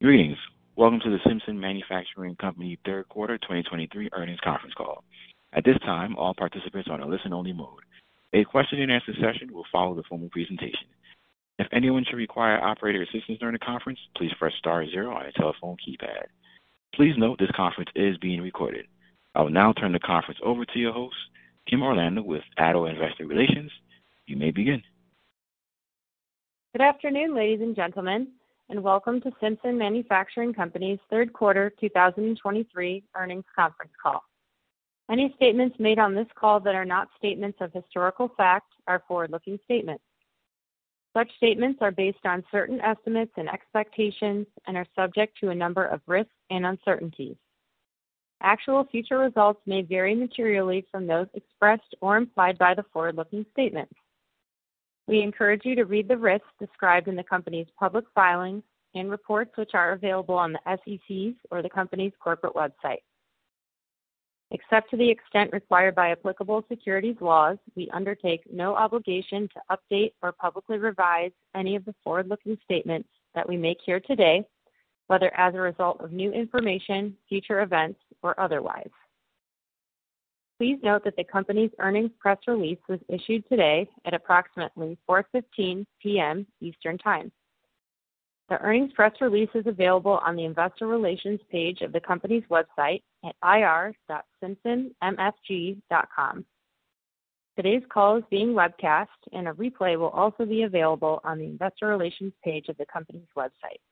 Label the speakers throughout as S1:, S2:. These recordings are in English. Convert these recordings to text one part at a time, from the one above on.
S1: Greetings. Welcome to the Simpson Manufacturing Company third quarter 2023 earnings conference call. At this time, all participants are on a listen-only mode. A question-and-answer session will follow the formal presentation. If anyone should require operator assistance during the conference, please press star zero on your telephone keypad. Please note, this conference is being recorded. I will now turn the conference over to your host, Kim Orlando with Addo Investor Relations. You may begin.
S2: Good afternoon, ladies and gentlemen, and welcome to Simpson Manufacturing Company's third quarter 2023 earnings conference call. Any statements made on this call that are not statements of historical fact are forward-looking statements. Such statements are based on certain estimates and expectations and are subject to a number of risks and uncertainties. Actual future results may vary materially from those expressed or implied by the forward-looking statements. We encourage you to read the risks described in the company's public filings and reports, which are available on the SEC's or the company's corporate website. Except to the extent required by applicable securities laws, we undertake no obligation to update or publicly revise any of the forward-looking statements that we make here today, whether as a result of new information, future events, or otherwise. Please note that the company's earnings press release was issued today at approximately 4:15 P.M. Eastern Time. The earnings press release is available on the investor relations page of the company's website at ir.simpsonmfg.com. Today's call is being webcast, and a replay will also be available on the investor relations page of the company's website.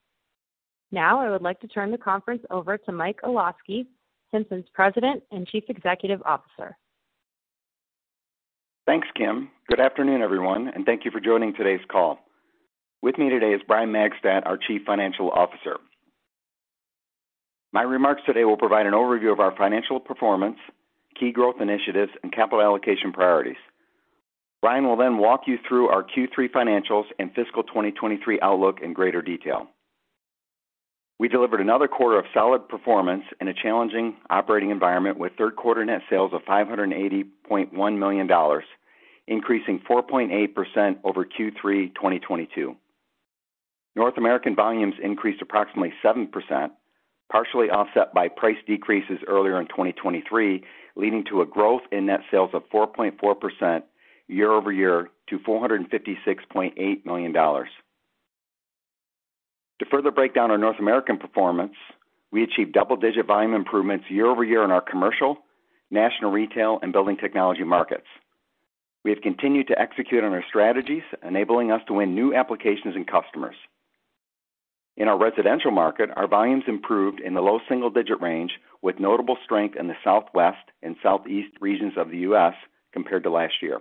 S2: Now, I would like to turn the conference over to Mike Olosky, Simpson's President and Chief Executive Officer.
S3: Thanks, Kim. Good afternoon, everyone, and thank you for joining today's call. With me today is Brian Magstadt, our Chief Financial Officer. My remarks today will provide an overview of our financial performance, key growth initiatives, and capital allocation priorities. Brian will then walk you through our Q3 financials and fiscal 2023 outlook in greater detail. We delivered another quarter of solid performance in a challenging operating environment, with third quarter net sales of $580.1 million, increasing 4.8% over Q3 2022. North American volumes increased approximately 7%, partially offset by price decreases earlier in 2023, leading to a growth in net sales of 4.4% year over year to $456.8 million. To further break down our North American performance, we achieved double-digit volume improvements year-over-year in our commercial, national retail, and building technology markets. We have continued to execute on our strategies, enabling us to win new applications and customers. In our residential market, our volumes improved in the low single-digit range, with notable strength in the Southwest and Southeast regions of the US compared to last year.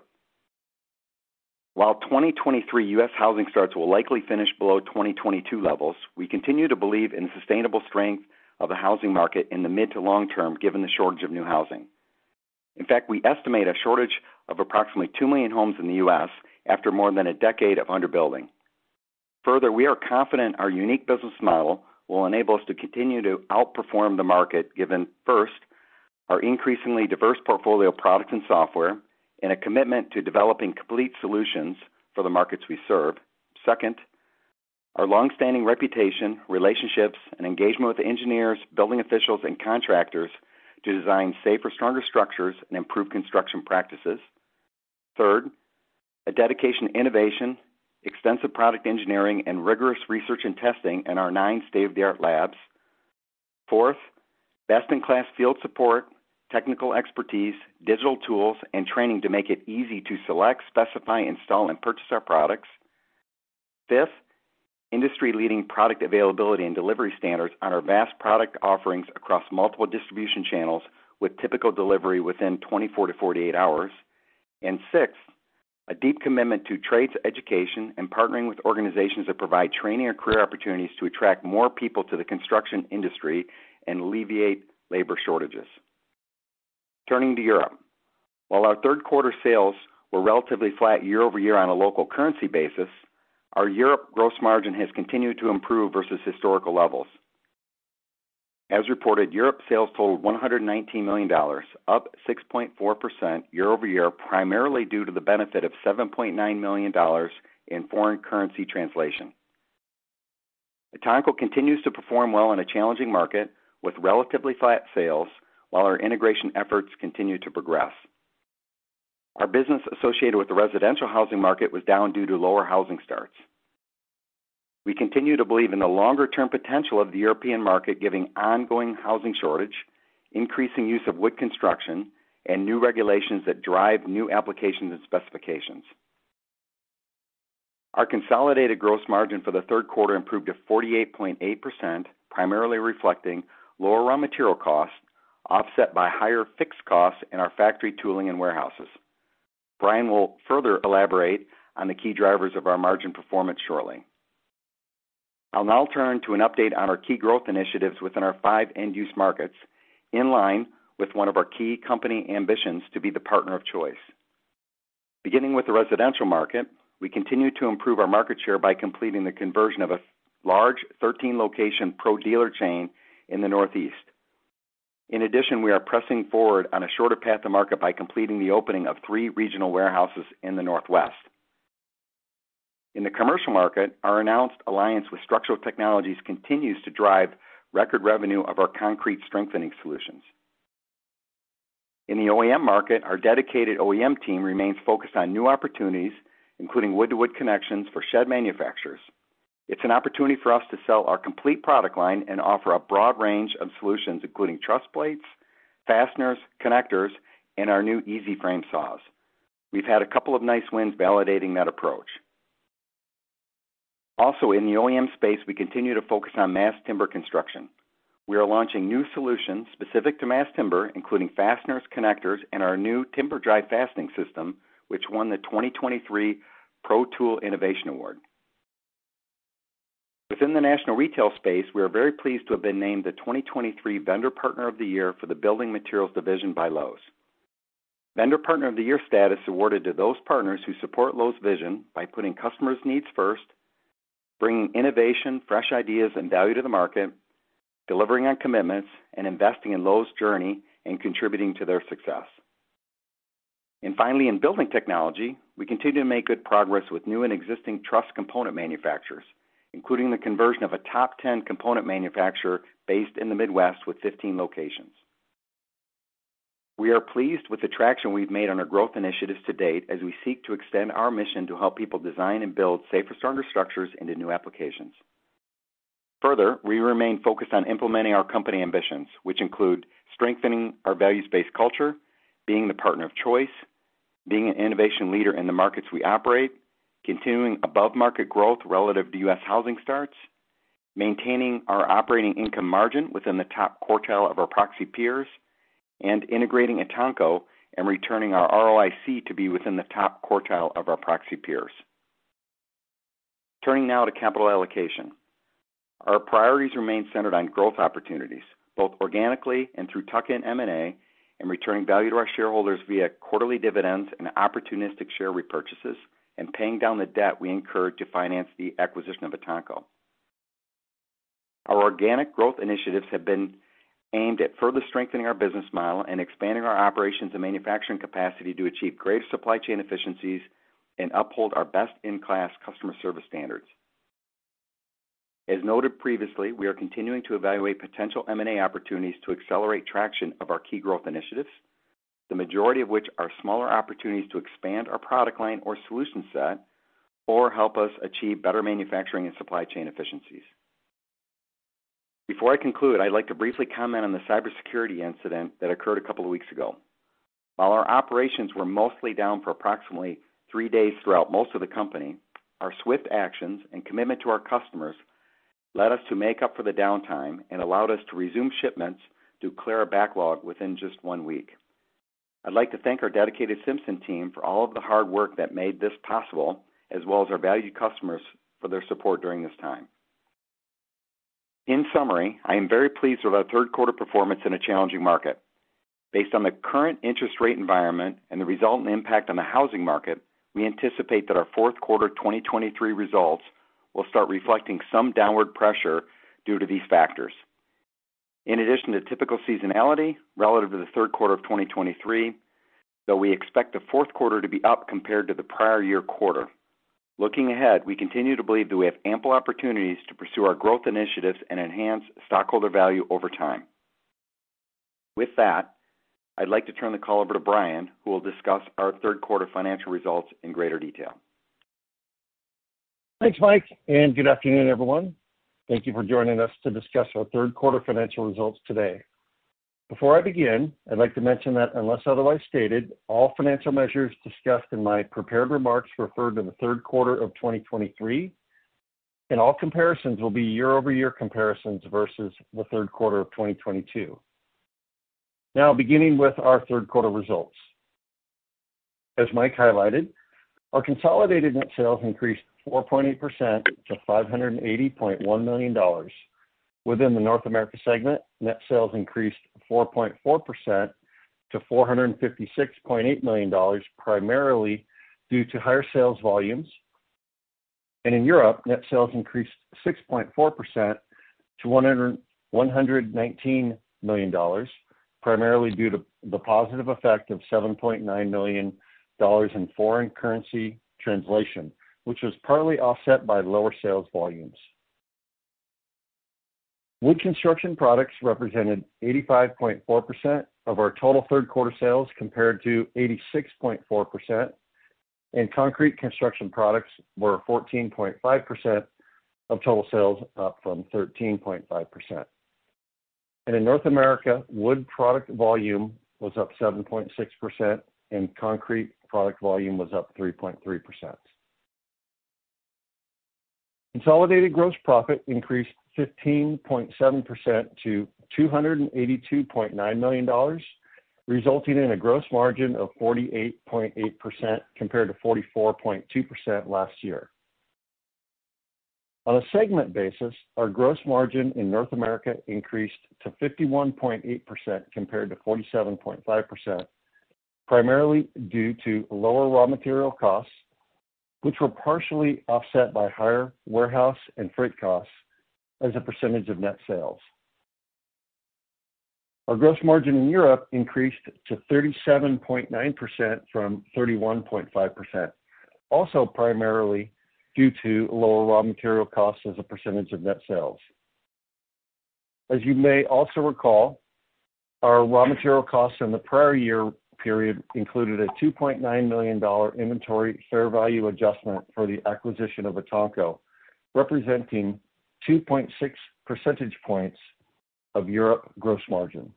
S3: While 2023 US housing starts will likely finish below 2022 levels, we continue to believe in sustainable strength of the housing market in the mid- to long-term, given the shortage of new housing. In fact, we estimate a shortage of approximately two million homes in the US after more than a decade of underbuilding. Further, we are confident our unique business model will enable us to continue to outperform the market, given, first, our increasingly diverse portfolio of products and software and a commitment to developing complete solutions for the markets we serve. Second, our long-standing reputation, relationships, and engagement with engineers, building officials, and contractors to design safer, stronger structures and improve construction practices. Third, a dedication to innovation, extensive product engineering, and rigorous research and testing in our 9 state-of-the-art labs. Fourth, best-in-class field support, technical expertise, digital tools and training to make it easy to select, specify, install, and purchase our products. Fifth, industry-leading product availability and delivery standards on our vast product offerings across multiple distribution channels, with typical delivery within 24-48 hours. Sixth, a deep commitment to trades, education, and partnering with organizations that provide training or career opportunities to attract more people to the construction industry and alleviate labor shortages. Turning to Europe. While our third quarter sales were relatively flat year-over-year on a local currency basis, our Europe gross margin has continued to improve versus historical levels. As reported, Europe sales totaled $119 million, up 6.4% year-over-year, primarily due to the benefit of $7.9 million in foreign currency translation. ETANCO continues to perform well in a challenging market with relatively flat sales while our integration efforts continue to progress. Our business associated with the residential housing market was down due to lower housing starts. We continue to believe in the longer-term potential of the European market, given ongoing housing shortage, increasing use of wood construction, and new regulations that drive new applications and specifications. Our consolidated gross margin for the third quarter improved to 48.8%, primarily reflecting lower raw material costs, offset by higher fixed costs in our factory tooling and warehouses. Brian will further elaborate on the key drivers of our margin performance shortly. I'll now turn to an update on our key growth initiatives within our five end-use markets, in line with one of our key company ambitions to be the partner of choice. Beginning with the residential market, we continue to improve our market share by completing the conversion of a large 13-location pro dealer chain in the Northeast.... In addition, we are pressing forward on a shorter path to market by completing the opening of three regional warehouses in the Northwest. In the commercial market, our announced alliance with Structural Technologies continues to drive record revenue of our concrete strengthening solutions. In the OEM market, our dedicated OEM team remains focused on new opportunities, including wood-to-wood connections for shed manufacturers. It's an opportunity for us to sell our complete product line and offer a broad range of solutions, including truss plates, fasteners, connectors, and our new EasyFrame. We've had a couple of nice wins validating that approach. Also, in the OEM space, we continue to focus on mass timber construction. We are launching new solutions specific to mass timber, including fasteners, connectors, and our new Timber Drive fastening system, which won the 2023 Pro Tool Innovation Award. Within the national retail space, we are very pleased to have been named the 2023 Vendor Partner of the Year for the Building Materials Division by Lowe's. Vendor Partner of the Year status awarded to those partners who support Lowe's vision by putting customers' needs first, bringing innovation, fresh ideas, and value to the market, delivering on commitments, and investing in Lowe's journey and contributing to their success. Finally, in building technology, we continue to make good progress with new and existing truss component manufacturers, including the conversion of a top 10 component manufacturer based in the Midwest with 15 locations. We are pleased with the traction we've made on our growth initiatives to date as we seek to extend our mission to help people design and build safer, stronger structures into new applications. Further, we remain focused on implementing our company ambitions, which include strengthening our values-based culture, being the partner of choice, being an innovation leader in the markets we operate, continuing above-market growth relative to U.S. housing starts, maintaining our operating income margin within the top quartile of our proxy peers, and integrating ETANCO and returning our ROIC to be within the top quartile of our proxy peers. Turning now to capital allocation. Our priorities remain centered on growth opportunities, both organically and through tuck-in M&A, and returning value to our shareholders via quarterly dividends and opportunistic share repurchases, and paying down the debt we incurred to finance the acquisition of ETANCO. Our organic growth initiatives have been aimed at further strengthening our business model and expanding our operations and manufacturing capacity to achieve greater supply chain efficiencies and uphold our best-in-class customer service standards. As noted previously, we are continuing to evaluate potential M&A opportunities to accelerate traction of our key growth initiatives, the majority of which are smaller opportunities to expand our product line or solution set or help us achieve better manufacturing and supply chain efficiencies. Before I conclude, I'd like to briefly comment on the cybersecurity incident that occurred a couple of weeks ago. While our operations were mostly down for approximately three days throughout most of the company, our swift actions and commitment to our customers led us to make up for the downtime and allowed us to resume shipments to clear a backlog within just one week. I'd like to thank our dedicated Simpson team for all of the hard work that made this possible, as well as our valued customers for their support during this time. In summary, I am very pleased with our third quarter performance in a challenging market. Based on the current interest rate environment and the resultant impact on the housing market, we anticipate that our fourth quarter 2023 results will start reflecting some downward pressure due to these factors. In addition to typical seasonality relative to the third quarter of 2023, though we expect the fourth quarter to be up compared to the prior year quarter. Looking ahead, we continue to believe that we have ample opportunities to pursue our growth initiatives and enhance stockholder value over time. With that, I'd like to turn the call over to Brian, who will discuss our third quarter financial results in greater detail.
S4: Thanks, Mike, and good afternoon, everyone. Thank you for joining us to discuss our third quarter financial results today. Before I begin, I'd like to mention that unless otherwise stated, all financial measures discussed in my prepared remarks refer to the third quarter of 2023, and all comparisons will be year-over-year comparisons versus the third quarter of 2022. Now, beginning with our third quarter results. As Mike highlighted, our consolidated net sales increased 4.8% to $580.1 million. Within the North America segment, net sales increased 4.4% to $456.8 million, primarily due to higher sales volumes. In Europe, net sales increased 6.4% to $119 million, primarily due to the positive effect of $7.9 million in foreign currency translation, which was partly offset by lower sales volumes. Wood construction products represented 85.4% of our total third-quarter sales, compared to 86.4%, and concrete construction products were 14.5% of total sales, up from 13.5%. In North America, wood product volume was up 7.6%, and concrete product volume was up 3.3%. Consolidated gross profit increased 15.7% to $282.9 million, resulting in a gross margin of 48.8%, compared to 44.2% last year. On a segment basis, our gross margin in North America increased to 51.8%, compared to 47.5%, primarily due to lower raw material costs, which were partially offset by higher warehouse and freight costs as a percentage of net sales. Our gross margin in Europe increased to 37.9% from 31.5%, also primarily due to lower raw material costs as a percentage of net sales. As you may also recall, our raw material costs in the prior year period included a $2.9 million inventory fair value adjustment for the acquisition of ETANCO, representing 2.6 percentage points of Europe gross margin.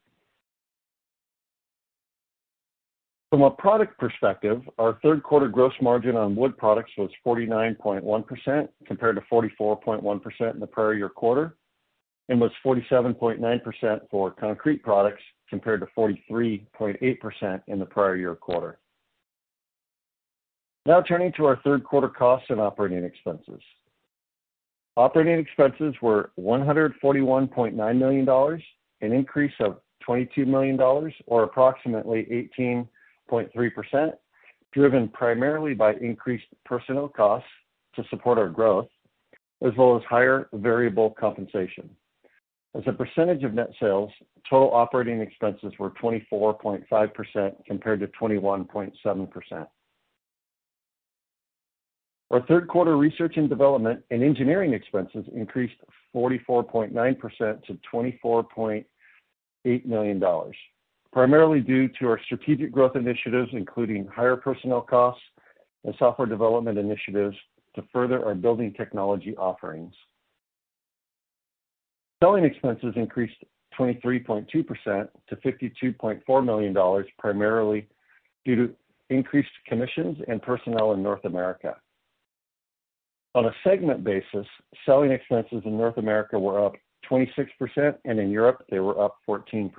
S4: From a product perspective, our third quarter gross margin on wood products was 49.1%, compared to 44.1% in the prior year quarter, and was 47.9% for concrete products, compared to 43.8% in the prior year quarter. Now turning to our third quarter costs and operating expenses. Operating expenses were $141.9 million, an increase of $22 million or approximately 18.3%, driven primarily by increased personnel costs to support our growth, as well as higher variable compensation. As a percentage of net sales, total operating expenses were 24.5% compared to 21.7%. Our third quarter research and development and engineering expenses increased 44.9% to $24.8 million, primarily due to our strategic growth initiatives, including higher personnel costs and software development initiatives to further our building technology offerings. Selling expenses increased 23.2% to $52.4 million, primarily due to increased commissions and personnel in North America. On a segment basis, selling expenses in North America were up 26%, and in Europe, they were up 14%.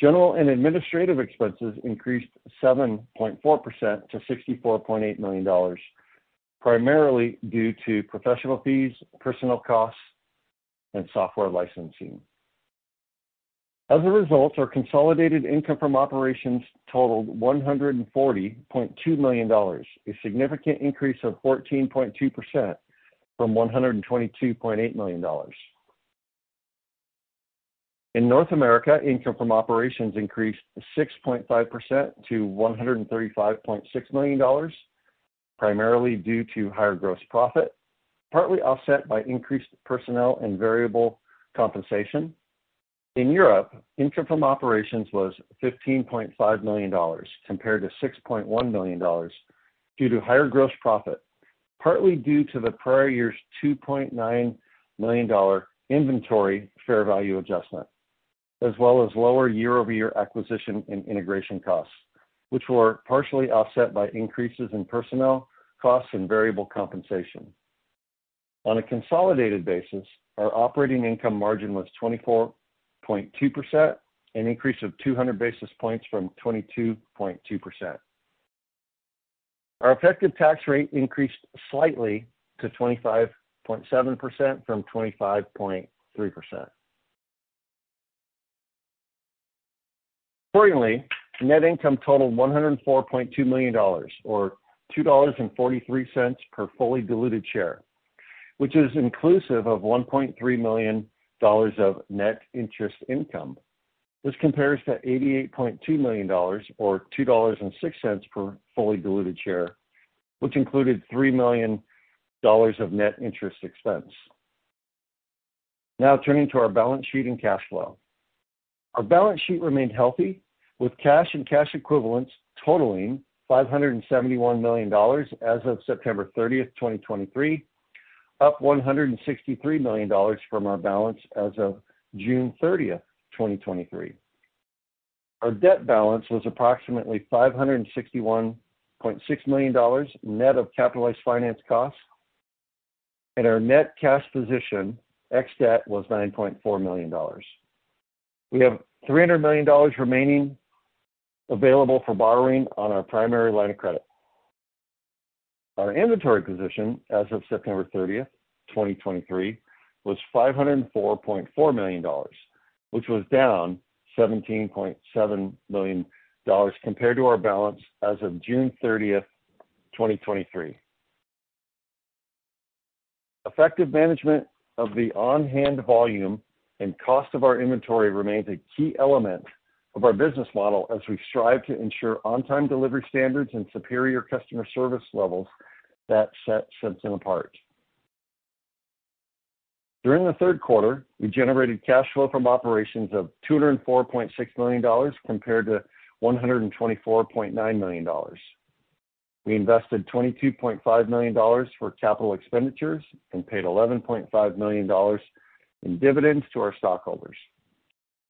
S4: General and administrative expenses increased 7.4% to $64.8 million, primarily due to professional fees, personnel costs, and software licensing. As a result, our consolidated income from operations totaled $140.2 million, a significant increase of 14.2% from $122.8 million. In North America, income from operations increased 6.5% to $135.6 million, primarily due to higher gross profit, partly offset by increased personnel and variable compensation. In Europe, income from operations was $15.5 million compared to $6.1 million, due to higher gross profit, partly due to the prior year's $2.9 million dollar inventory fair value adjustment, as well as lower year-over-year acquisition and integration costs, which were partially offset by increases in personnel costs and variable compensation. On a consolidated basis, our operating income margin was 24.2%, an increase of 200 basis points from 22.2%. Our effective tax rate increased slightly to 25.7% from 25.3%. Accordingly, net income totaled $104.2 million, or $2.43 per fully diluted share, which is inclusive of $1.3 million of net interest income. This compares to $88.2 million, or $2.06 per fully diluted share, which included $3 million of net interest expense. Now turning to our balance sheet and cash flow. Our balance sheet remained healthy, with cash and cash equivalents totaling $571 million as of September thirtieth, 2023, up $163 million from our balance as of June thirtieth, 2023. Our debt balance was approximately $561.6 million, net of capitalized finance costs, and our net cash position, ex debt, was $9.4 million. We have $300 million remaining available for borrowing on our primary line of credit. Our inventory position as of September 30th, 2023, was $504.4 million, which was down $17.7 million compared to our balance as of June 30th, 2023. Effective management of the on-hand volume and cost of our inventory remains a key element of our business model as we strive to ensure on-time delivery standards and superior customer service levels that set Simpson apart. During the third quarter, we generated cash flow from operations of $204.6 million compared to $124.9 million. We invested $22.5 million for capital expenditures and paid $11.5 million in dividends to our stockholders.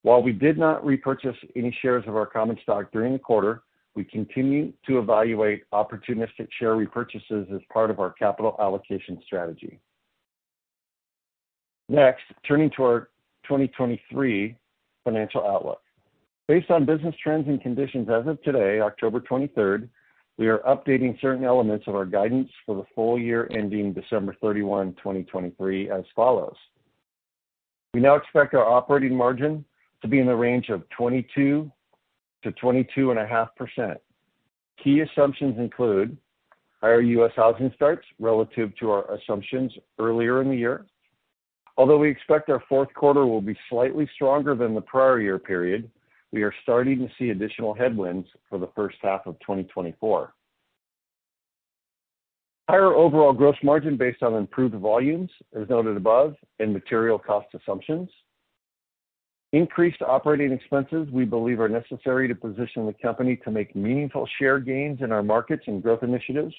S4: While we did not repurchase any shares of our common stock during the quarter, we continue to evaluate opportunistic share repurchases as part of our capital allocation strategy. Next, turning to our 2023 financial outlook. Based on business trends and conditions as of today, October 23, we are updating certain elements of our guidance for the full year ending December 31, 2023, as follows: We now expect our operating margin to be in the range of 22% to 22.5%. Key assumptions include: higher U.S. housing starts relative to our assumptions earlier in the year. Although we expect our fourth quarter will be slightly stronger than the prior year period, we are starting to see additional headwinds for the first half of 2024. Higher overall gross margin based on improved volumes, as noted above, and material cost assumptions. Increased operating expenses, we believe, are necessary to position the company to make meaningful share gains in our markets and growth initiatives.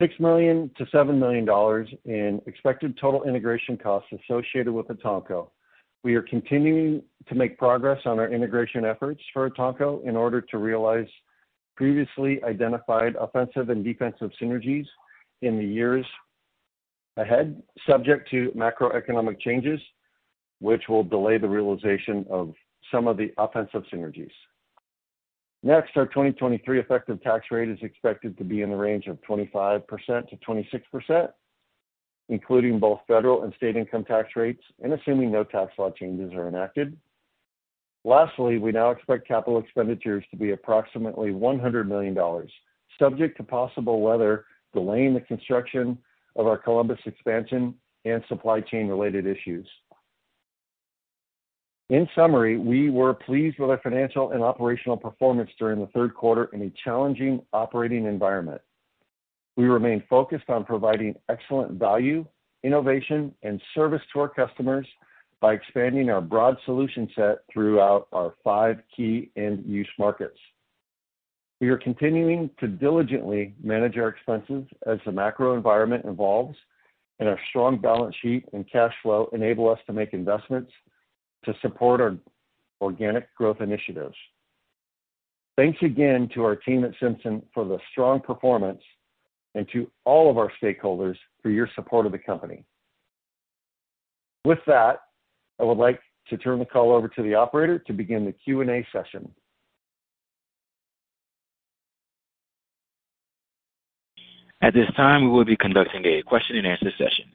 S4: $6 million to $7 million in expected total integration costs associated with ETANCO. We are continuing to make progress on our integration efforts for ETANCO in order to realize previously identified offensive and defensive synergies in the years ahead, subject to macroeconomic changes, which will delay the realization of some of the offensive synergies. Next, our 2023 effective tax rate is expected to be in the range of 25%-26%, including both federal and state income tax rates, and assuming no tax law changes are enacted. Lastly, we now expect capital expenditures to be approximately $100 million, subject to possible weather delaying the construction of our Columbus expansion and supply chain-related issues. In summary, we were pleased with our financial and operational performance during the third quarter in a challenging operating environment. We remain focused on providing excellent value, innovation, and service to our customers by expanding our broad solution set throughout our five key end-use markets. We are continuing to diligently manage our expenses as the macro environment evolves, and our strong balance sheet and cash flow enable us to make investments to support our organic growth initiatives. Thanks again to our team at Simpson for the strong performance and to all of our stakeholders for your support of the company. With that, I would like to turn the call over to the operator to begin the Q&A session.
S1: At this time, we will be conducting a question-and-answer session.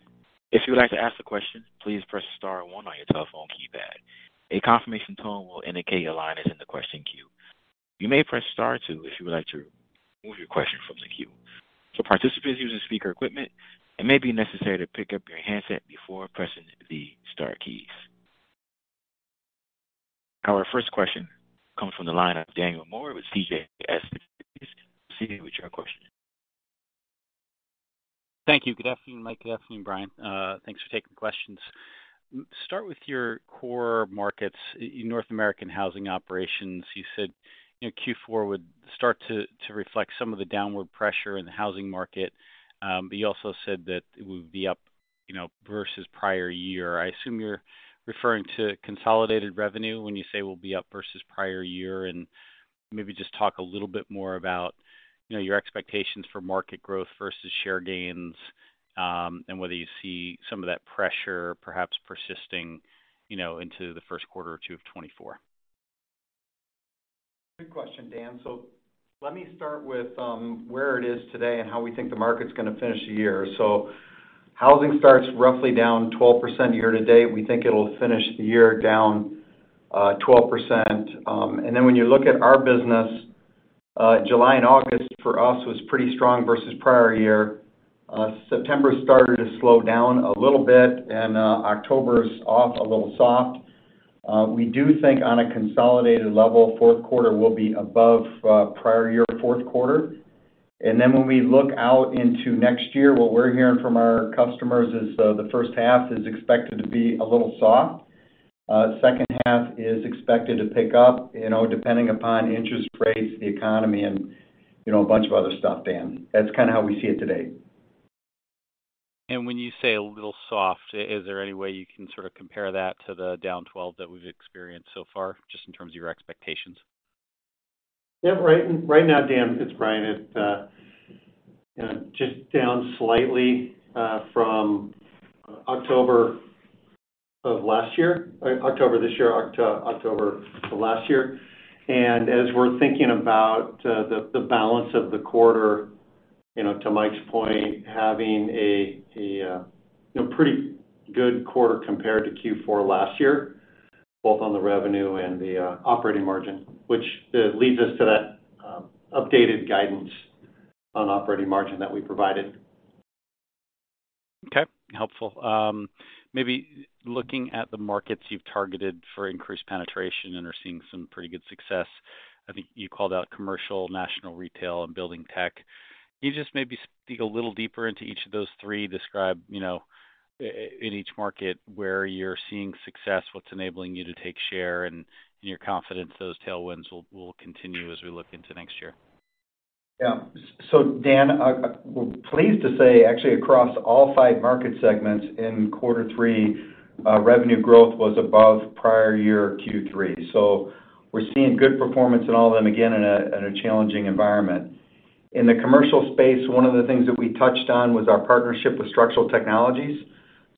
S1: If you would like to ask a question, please press star one on your telephone keypad. A confirmation tone will indicate your line is in the question queue. You may press star two if you would like to remove your question from the queue. For participants using speaker equipment, it may be necessary to pick up your handset before pressing the star keys. Our first question comes from the line of Daniel Moore with CJS Securities. Proceed with your question.
S5: Thank you. Good afternoon, Mike. Good afternoon, Brian. Thanks for taking questions. Start with your core markets. In North America housing operations, you said, you know, Q4 would start to reflect some of the downward pressure in the housing market, but you also said that it would be up, you know, versus prior year. I assume you're referring to consolidated revenue when you say we'll be up versus prior year, and maybe just talk a little bit more about, you know, your expectations for market growth versus share gains, and whether you see some of that pressure perhaps persisting, you know, into the first quarter or two of 2024.
S3: Good question, Dan. So let me start with where it is today and how we think the market's going to finish the year. So housing starts roughly down 12% year to date. We think it'll finish the year down 12%. When you look at our business, July and August for us was pretty strong versus prior year. September started to slow down a little bit, and October is off a little soft. We do think on a consolidated level, fourth quarter will be above prior year, fourth quarter. When we look out into next year, what we're hearing from our customers is the first half is expected to be a little soft. Second half is expected to pick up, you know, depending upon interest rates, the economy, and, you know, a bunch of other stuff, Dan. That's kind of how we see it today.
S5: When you say a little soft, is there any way you can sort of compare that to the down 12 that we've experienced so far, just in terms of your expectations?
S4: Yeah. Right now, Dan, it's Brian. It's just down slightly from October this year to last year. As we're thinking about the balance of the quarter, you know, to Mike's point, having a pretty good quarter compared to Q4 last year, both on the revenue and the operating margin, which leads us to that updated guidance on operating margin that we provided.
S5: Okay, helpful. Maybe looking at the markets you've targeted for increased penetration and are seeing some pretty good success, I think you called out commercial, national retail, and building tech. Can you just maybe dig a little deeper into each of those three? Describe, you know, in each market where you're seeing success, what's enabling you to take share, and your confidence those tailwinds will continue as we look into next year.
S3: Yeah. So Dan, we're pleased to say, actually, across all five market segments in quarter three, revenue growth was above prior year Q3. So we're seeing good performance in all of them, again, in a challenging environment. In the commercial space, one of the things that we touched on was our partnership with Structural Technologies.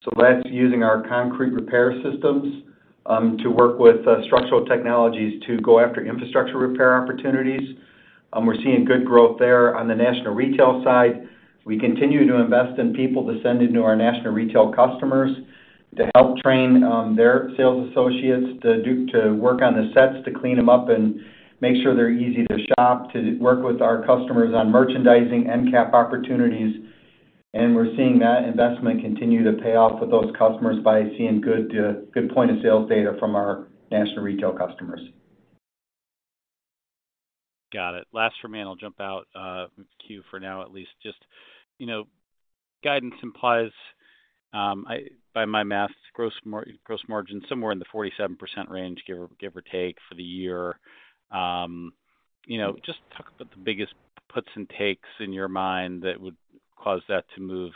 S3: So that's using our concrete repair systems to work with, structural technologies to go after infrastructure repair opportunities. We're seeing good growth there. On the national retail side, we continue to invest in people to send into our national retail customers, to help train, their sales associates, to do-- to work on the sets, to clean them up and make sure they're easy to shop, to work with our customers on merchandising and cap opportunities. We're seeing that investment continue to pay off with those customers by seeing good, good point of sales data from our national retail customers.
S5: Got it. Last for me, and I'll jump out queue for now at least. Just, you know, guidance implies, by my math, gross margin somewhere in the 47% range, give or take, for the year. You know, just talk about the biggest puts and takes in your mind that would cause that to move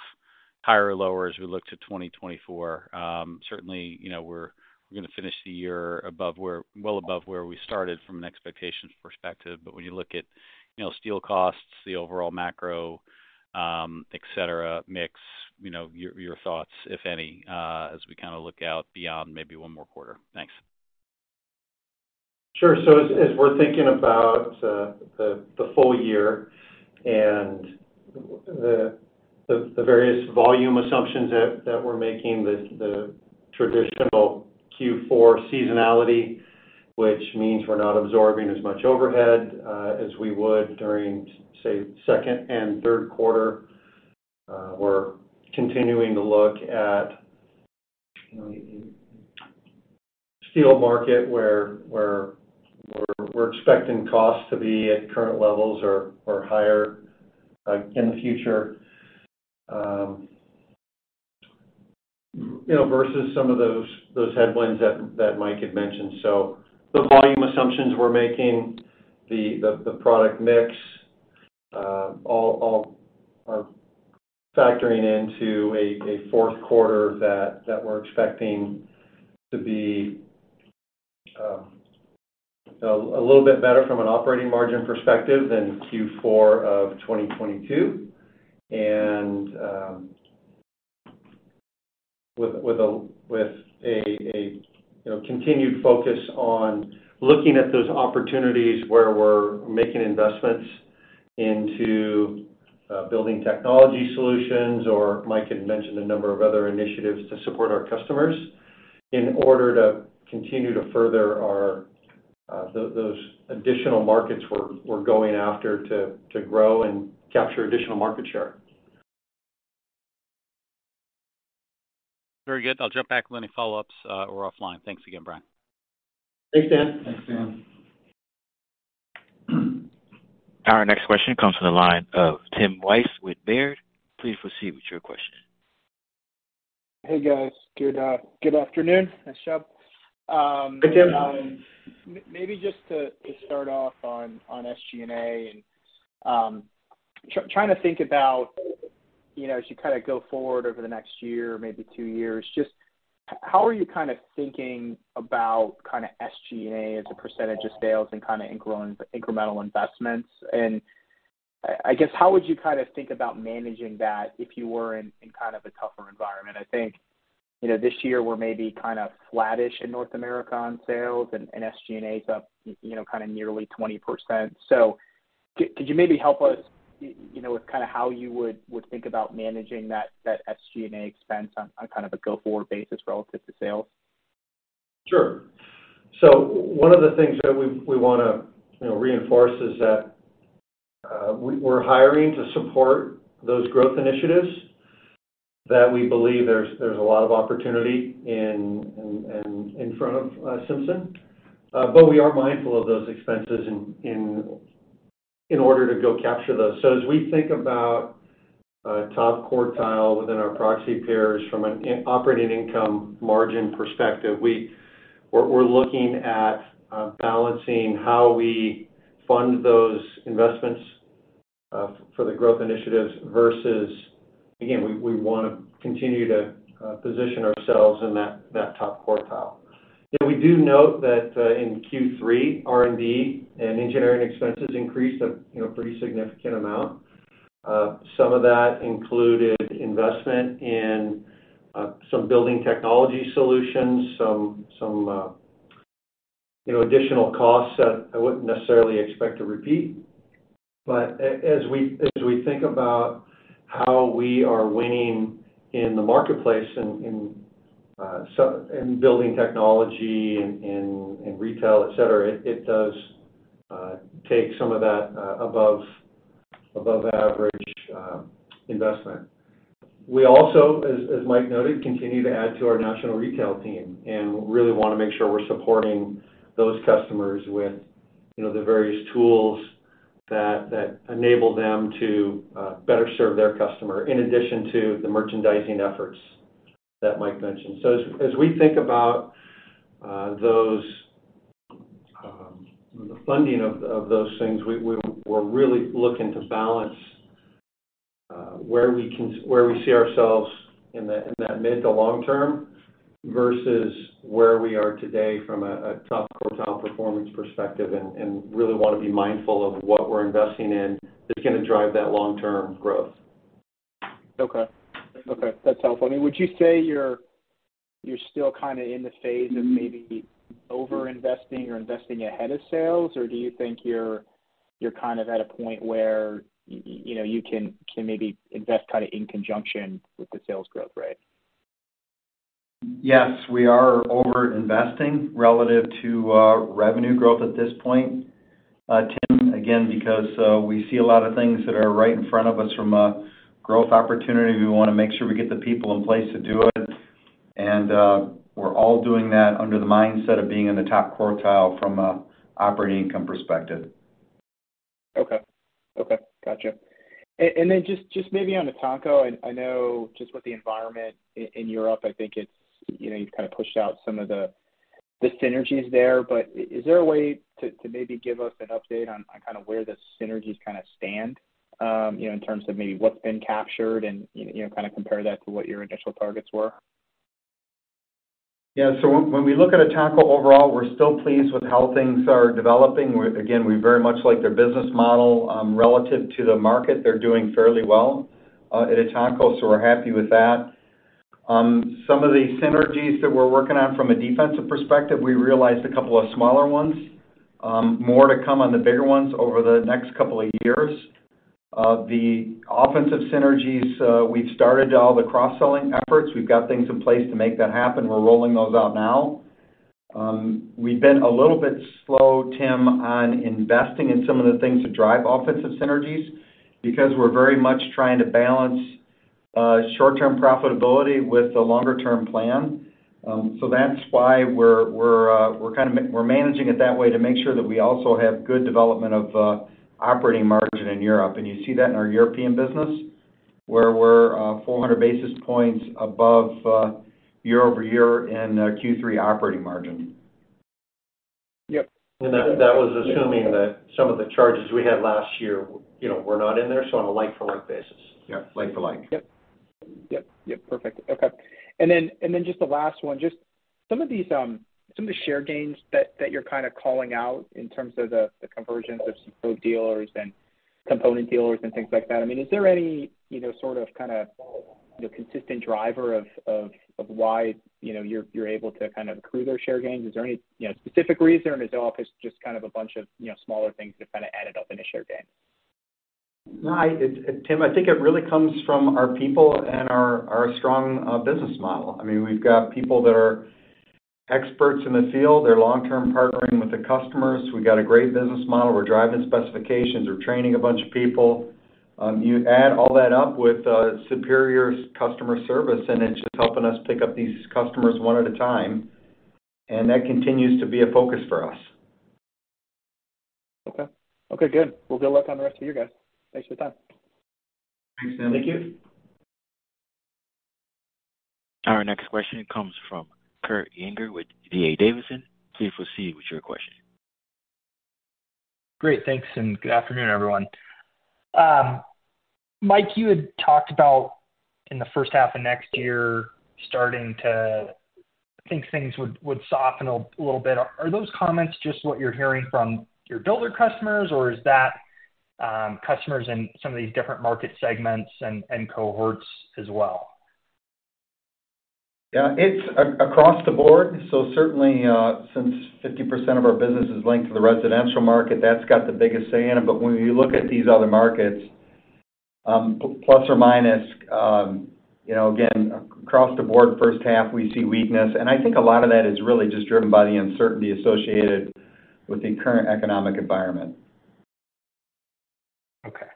S5: higher or lower as we look to 2024. Certainly, you know, we're gonna finish the year above where - well above where we started from an expectations perspective. But when you look at, you know, steel costs, the overall macro, et cetera, mix, you know, your thoughts, if any, as we kind of look out beyond maybe one more quarter. Thanks.
S4: Sure. So as we're thinking about the full year and the various volume assumptions that we're making, the traditional Q4 seasonality, which means we're not absorbing as much overhead as we would during, say, second and third quarter. We're continuing to look at, you know, steel market, where we're expecting costs to be at current levels or higher in the future. You know, versus some of those headwinds that Mike had mentioned. So the volume assumptions we're making, the product mix all are factoring into a fourth quarter that we're expecting to be a little bit better from an operating margin perspective than Q4 of 2022. With a continued focus on looking at those opportunities where we're making investments into building technology solutions, or Mike had mentioned a number of other initiatives to support our customers, in order to continue to further those additional markets we're going after to grow and capture additional market share.
S5: Very good. I'll jump back with any follow-ups, or offline. Thanks again, Brian.
S4: Thanks, Dan.
S3: Thanks, Dan.
S1: Our next question comes from the line of Tim Wojs with Baird. Please proceed with your question.
S6: Hey, guys. Good afternoon. Nice job.
S4: Hey, Tim.
S6: Maybe just to start off on SG&A and trying to think about, you know, as you kind of go forward over the next year, maybe two years, just how are you kind of thinking about kind of SG&A as a percentage of sales and kind of incremental investments? And I guess, how would you kind of think about managing that if you were in kind of a tougher environment? I think, you know, this year we're maybe kind of flattish in North America on sales, and SG&A is up, you know, kind of nearly 20%. So could you maybe help us, you know, with kind of how you would think about managing that SG&A expense on kind of a go-forward basis relative to sales?
S4: Sure. So one of the things that we wanna, you know, reinforce is that we're hiring to support those growth initiatives, that we believe there's a lot of opportunity in front of Simpson. But we are mindful of those expenses in order to go capture those. So as we think about top quartile within our proxy peers from an operating income margin perspective, we're looking at balancing how we fund those investments for the growth initiatives versus, again, we wanna continue to position ourselves in that top quartile. You know, we do note that in Q3, R&D and engineering expenses increased a pretty significant amount. Some of that included investment in some building technology solutions, some, you know, additional costs that I wouldn't necessarily expect to repeat. But as we think about how we are winning in the marketplace in, in, so in building technology, in, in, in retail, et cetera, it does take some of that, above average investment. We also, as Mike noted, continue to add to our national retail team, and we really wanna make sure we're supporting those customers with, you know, the various tools that enable them to better serve their customer, in addition to the merchandising efforts that Mike mentioned. So as we think about those, the funding of those things, we're really looking to balance where we see ourselves in that mid to long term, versus where we are today from a top quartile performance perspective, and really wanna be mindful of what we're investing in, that's gonna drive that long-term growth.
S6: Okay, that's helpful. I mean, would you say you're still kind of in the phase of maybe over-investing or investing ahead of sales? Or do you think you're kind of at a point where you know, you can maybe invest kind of in conjunction with the sales growth rate?
S3: Yes, we are over-investing relative to revenue growth at this point. Tim, again, because we see a lot of things that are right in front of us from a growth opportunity, we wanna make sure we get the people in place to do it. And, we're all doing that under the mindset of being in the top quartile from an operating income perspective.
S6: Okay. Okay, gotcha. Just maybe on ETANCO I, I know just with the environment in Europe, I think it's, you know, you've kind of pushed out some of the, the synergies there. But is there a way to, to maybe give us an update on, on kind of where the synergies kind of stand, you know, in terms of maybe what's been captured and, you know, kind of compare that to what your initial targets were?
S3: Yeah. So when we look at ETANCO overall, we're still pleased with how things are developing. We again very much like their business model. Relative to the market, they're doing fairly well at ETANCO, so we're happy with that. Some of the synergies that we're working on from a defensive perspective, we realized a couple of smaller ones. More to come on the bigger ones over the next couple of years. The offensive synergies, we've started all the cross-selling efforts. We've got things in place to make that happen. We're rolling those out now. We've been a little bit slow, Tim, on investing in some of the things to drive offensive synergies because we're very much trying to balance short-term profitability with the longer term plan. So that's why we're kind of managing it that way to make sure that we also have good development of operating margin in Europe. You see that in our European business, where we're 400 basis points above year-over-year in Q3 operating margin.
S6: Yep.
S4: That was assuming that some of the charges we had last year, you know, were not in there, so on a like-for-like basis.
S3: Yeah, like for like.
S6: Yep. Yep, yep. Perfect. Okay. Just the last one. Just some of these, you know, some of the share gains that you're kind of calling out in terms of the conversions of some code dealers and component dealers and things like that, I mean, is there any, you know, sort of, kind of, you know, consistent driver of why, you know, you're able to kind of accrue those share gains? Is there any, you know, specific reason, or is it all just kind of a bunch of, you know, smaller things that kind of added up in a share gain?
S3: No, Tim, I think it really comes from our people and our strong business model. I mean, we've got people that are experts in the field. They're long-term partnering with the customers. We've got a great business model. We're driving specifications. We're training a bunch of people. You add all that up with superior customer service, and it's just helping us pick up these customers one at a time, and that continues to be a focus for us.
S6: Okay. Okay, good. Well, good luck on the rest of you guys. Thanks for your time.
S3: Thanks, Tim.
S4: Thank you.
S1: Our next question comes from Kurt Yinger with D.A. Davidson. Please proceed with your question.
S7: Great, thanks, and good afternoon, everyone. Mike, you had talked about in the first half of next year, starting to think things would soften a little bit. Are those comments just what you're hearing from your builder customers, or is that customers in some of these different market segments and cohorts as well?
S3: Yeah, it's across the board. So certainly, since 50% of our business is linked to the residential market, that's got the biggest say in it. But when you look at these other markets, plus or minus, you know, again, across the board, first half, we see weakness. And I think a lot of that is really just driven by the uncertainty associated with the current economic environment.
S7: Okay.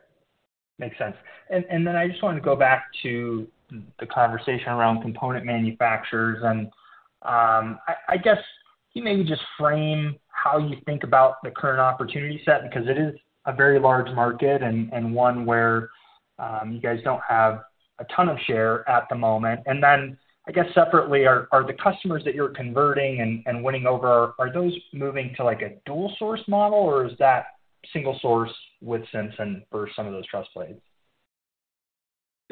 S7: Makes sense. I just wanted to go back to the conversation around component manufacturers. I guess can you maybe just frame how you think about the current opportunity set? Because it is a very large market and one where you guys don't have a ton of share at the moment. I guess separately, are the customers that you're converting and winning over, are those moving to, like, a dual source model, or is that single source with Simpson for some of those truss plates?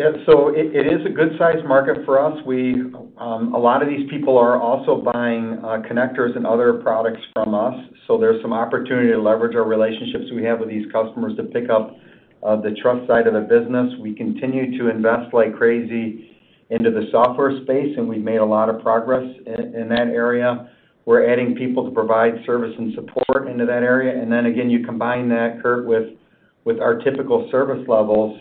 S3: Yeah. So it is a good-sized market for us. We, a lot of these people are also buying, connectors and other products from us, so there's some opportunity to leverage our relationships we have with these customers to pick up, the truss side of the business. We continue to invest like crazy into the software space, and we've made a lot of progress in that area. We're adding people to provide service and support into that area. Again, you combine that, Kurt, with our typical service levels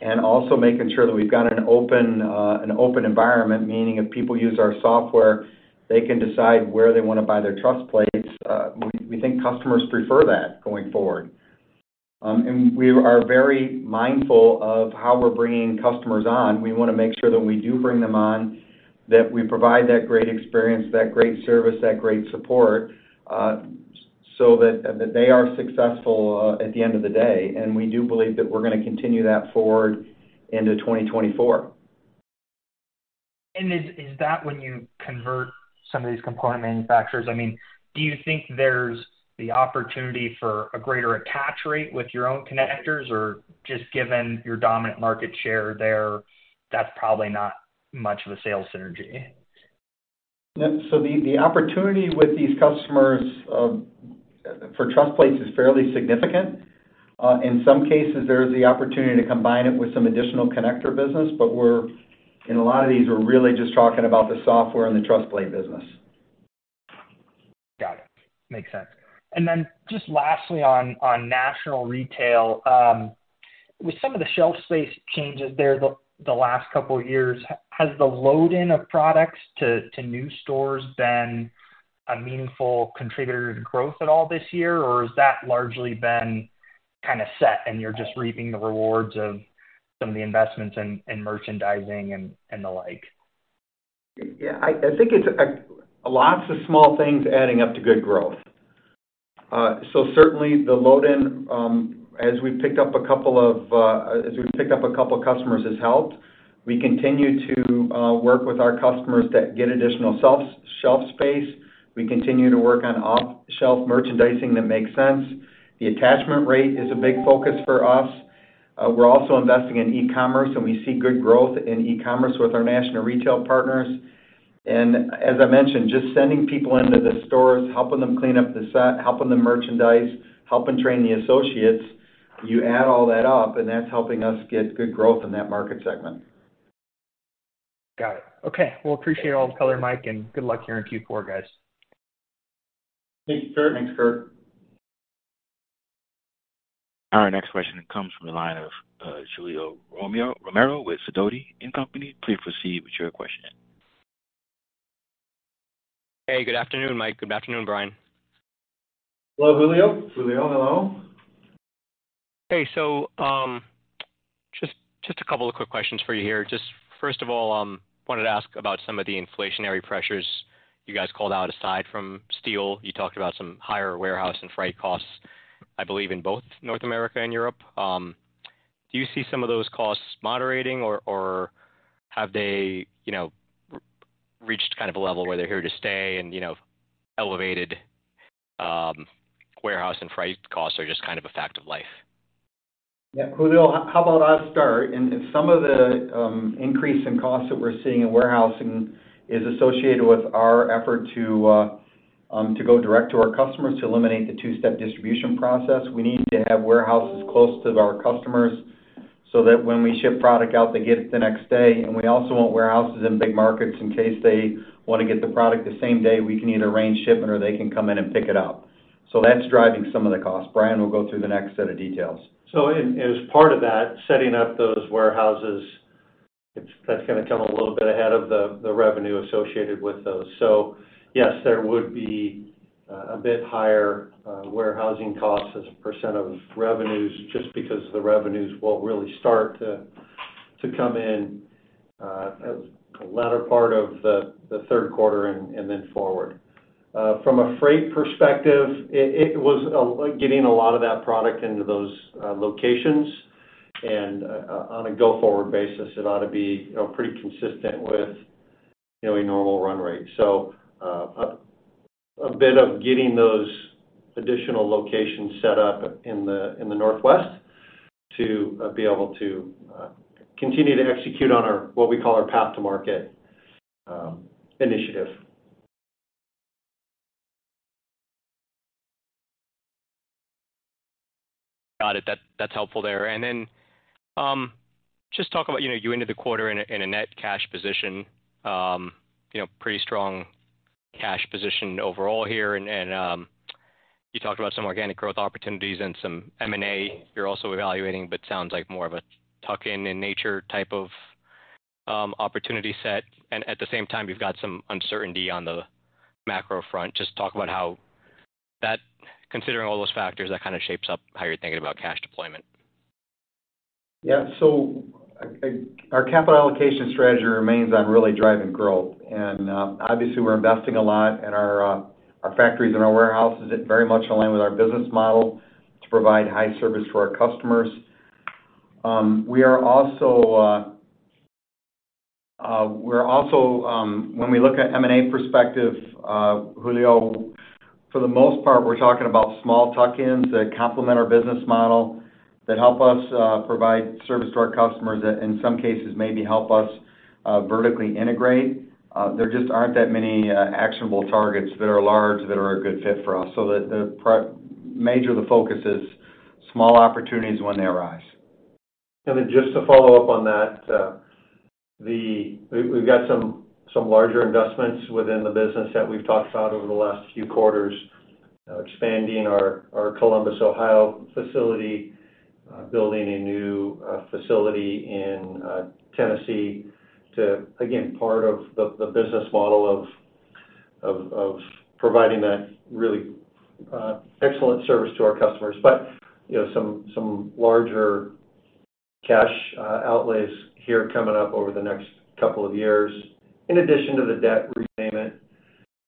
S3: and also making sure that we've got an open, an open environment, meaning if people use our software, they can decide where they wanna buy their truss plates. We think customers prefer that going forward. We are very mindful of how we're bringing customers on. We wanna make sure that when we do bring them on, that we provide that great experience, that great service, that great support, so that they are successful at the end of the day. We do believe that we're gonna continue that forward into 2024.
S7: And is that when you convert some of these component manufacturers, I mean, do you think there's the opportunity for a greater attach rate with your own connectors? Or just given your dominant market share there, that's probably not much of a sales synergy?
S3: Yep, so the opportunity with these customers for truss plates is fairly significant. In some cases, there is the opportunity to combine it with some additional connector business, but we're, in a lot of these, we're really just talking about the software and the truss plate business.
S7: Got it. Makes sense. And then just lastly on national retail, with some of the shelf space changes there the last couple of years, has the load in of products to new stores been a meaningful contributor to growth at all this year? Or has that largely been kind of set and you're just reaping the rewards of some of the investments in merchandising and the like?
S3: Yeah, I think it's lots of small things adding up to good growth. So certainly, the load in as we've picked up a couple of customers has helped. We continue to work with our customers that get additional shelf space. We continue to work on off-shelf merchandising that makes sense. The attachment rate is a big focus for us. We're also investing in e-commerce, and we see good growth in e-commerce with our national retail partners. And as I mentioned, just sending people into the stores, helping them clean up the set, helping them merchandise, helping train the associates, you add all that up, and that's helping us get good growth in that market segment.
S7: Got it. Okay, well, appreciate all the color, Mike, and good luck here in Q4, guys.
S3: Thank you, Kurt.
S4: Thanks, Kurt.
S1: Our next question comes from the line of Julio Romero with Sidoti & Company. Please proceed with your question.
S8: Hey, good afternoon, Mike. Good afternoon, Brian.
S3: Hello, Julio.
S4: Julio, hello.
S8: Hey, so, just, just a couple of quick questions for you here. Just first of all, wanted to ask about some of the inflationary pressures you guys called out. Aside from steel, you talked about some higher warehouse and freight costs, I believe, in both North America and Europe. Do you see some of those costs moderating, or have they, you know, reached kind of a level where they're here to stay and, you know, elevated warehouse and freight costs are just kind of a fact of life?
S3: Yeah, Julio, how about I start? Some of the increase in costs that we're seeing in warehousing is associated with our effort to go direct to our customers to eliminate the two-step distribution process. We need to have warehouses close to our customers so that when we ship product out, they get it the next day. We also want warehouses in big markets in case they want to get the product the same day, we can either arrange shipment or they can come in and pick it up. That's driving some of the costs. Brian will go through the next set of details.
S4: So as part of that, setting up those warehouses, it's—that's gonna come a little bit ahead of the revenue associated with those. So yes, there would be a bit higher warehousing costs as a percent of revenues just because the revenues won't really start to come in at the latter part of the third quarter and then forward. From a freight perspective, it was getting a lot of that product into those locations. And on a go-forward basis, it ought to be, you know, pretty consistent with, you know, a normal run rate. So a bit of getting those additional locations set up in the Northwest to be able to continue to execute on our, what we call our path to market initiative.
S8: Got it. That's helpful there. And then, just talk about, you know, you ended the quarter in a net cash position, you know, pretty strong cash position overall here. And you talked about some organic growth opportunities and some M&A you're also evaluating, but sounds like more of a tuck-in in nature type of opportunity set. And at the same time, you've got some uncertainty on the macro front. Just talk about how that, considering all those factors, that kind of shapes up how you're thinking about cash deployment.
S3: Yeah. So our capital allocation strategy remains on really driving growth. And, obviously, we're investing a lot in our factories and our warehouses. It very much align with our business model to provide high service to our customers. We are also. When we look at M&A perspective, Julio, for the most part, we're talking about small tuck-ins that complement our business model, that help us provide service to our customers, that, in some cases, maybe help us vertically integrate. There just aren't that many actionable targets that are large, that are a good fit for us. So the major of the focus is small opportunities when they arise.
S4: And then just to follow up on that, we, we've got some larger investments within the business that we've talked about over the last few quarters, expanding our Columbus, Ohio, facility, building a new facility in Tennessee to, again, part of the business model of providing that really excellent service to our customers. But, you know, some larger cash outlays here coming up over the next couple of years, in addition to the debt repayment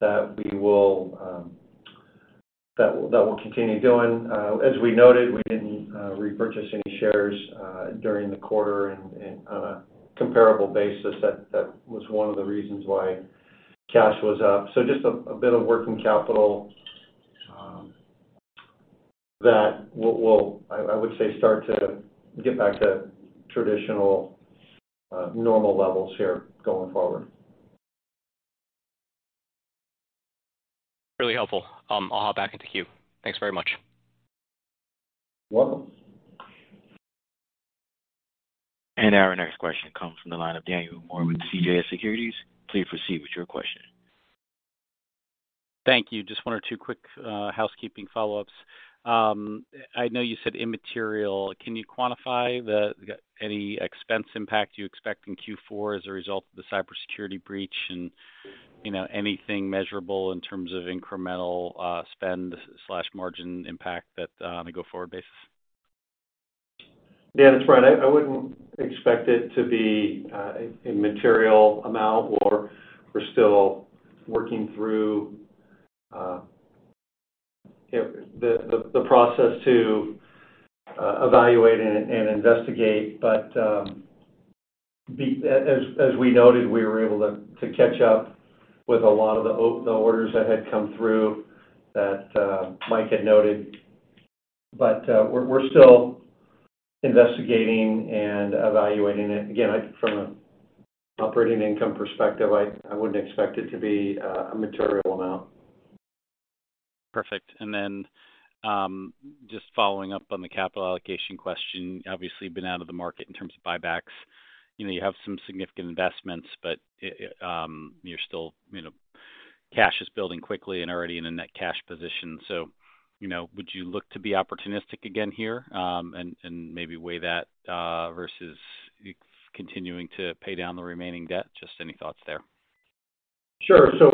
S4: that we'll continue doing. As we noted, we didn't repurchase any shares during the quarter, and on a comparable basis, that was one of the reasons why cash was up. So just a bit of working capital... that will, I would say, start to get back to traditional normal levels here going forward.
S8: Really helpful. I'll hop back into queue. Thanks very much.
S4: You're welcome.
S1: Our next question comes from the line of Daniel Moore with CJS Securities. Please proceed with your question.
S5: Thank you. Just one or two quick housekeeping follow-ups. I know you said immaterial. Can you quantify the any expense impact you expect in Q4 as a result of the cybersecurity breach? And, you know, anything measurable in terms of incremental spend slash margin impact that on a go-forward basis?
S4: Yeah, that's right. I wouldn't expect it to be a material amount, or we're still working through, you know, the process to evaluate and investigate. But, as we noted, we were able to catch up with a lot of the orders that had come through that Mike had noted. But, we're still investigating and evaluating it. Again, from an operating income perspective, I wouldn't expect it to be a material amount.
S5: Perfect. And then, just following up on the capital allocation question, obviously, been out of the market in terms of buybacks. You know, you have some significant investments, but, you're still... You know, cash is building quickly and already in a net cash position. So, you know, would you look to be opportunistic again here, and maybe weigh that versus continuing to pay down the remaining debt? Just any thoughts there.
S4: Sure. So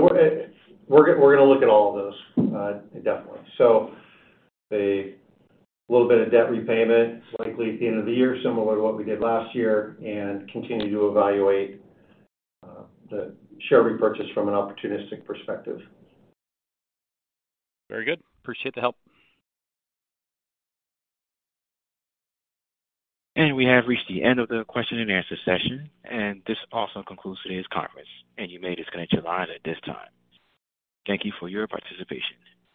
S4: we're gonna look at all of those, definitely. So a little bit of debt repayment, likely at the end of the year, similar to what we did last year, and continue to evaluate the share repurchase from an opportunistic perspective.
S5: Very good. Appreciate the help.
S1: We have reached the end of the question and answer session, and this also concludes today's conference, and you may disconnect your line at this time. Thank you for your participation.